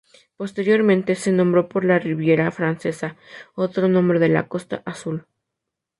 Posteriormente se nombró por la Riviera francesa, otro nombre de la Costa Azul.